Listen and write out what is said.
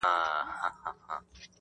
سترگو کي باڼه له ياده وباسم